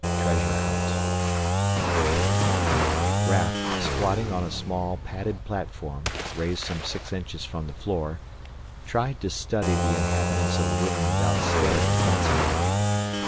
6 TREASURE HUNT Raf, squatting on a small, padded platform raised some six inches from the floor, tried to study the inhabitants of the room without staring offensively.